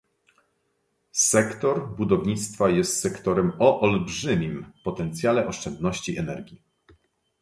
Sektor budownictwa jest sektorem o olbrzymim potencjale oszczędności energii